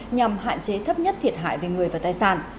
nhằm hạn chế thấp nhất thiệt hại về người và tài sản